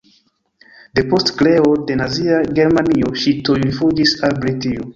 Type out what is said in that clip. Depost kreo de nazia Germanio ŝi tuj rifuĝis al Britio.